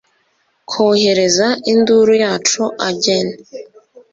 Kohereza induru yacu agen